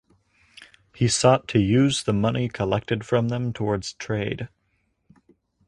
He sought to use the money collected from them towards trade.